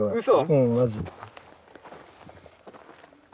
うんマジ。